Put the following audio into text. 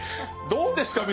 どうですか？